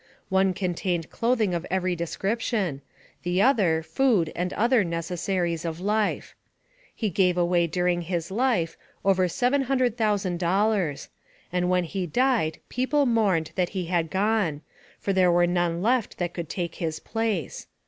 One contained clothing of every description; the other, food and other necessaries of life. He gave away during his life, over $700,000, and when he died people mourned that he had gone, for there were none left that could take his place.